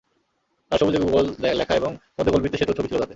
লাল-সবুজে Google লেখা এবং মধ্যে গোল বৃত্তে সেতুর ছবি ছিল তাতে।